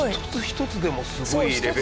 一つ一つでもすごいレベル。